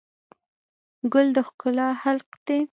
ګل د ښکلا خالق دی.